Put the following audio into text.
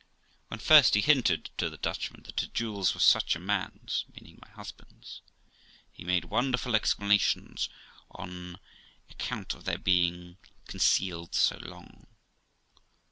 When first he hinted to the Dutchman, that the jewels were such a man's (meaning my husband's), he made wonderful exclamations on account of their having been concealed so long.